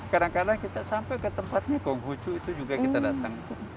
kadang kadang kita sampai ke tempatnya konghucu itu juga kita datang